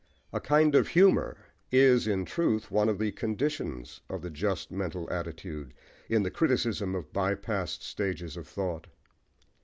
A kind of humour is, in truth, one of the conditions of the just mental attitude, in the criticism of by past stages of thought.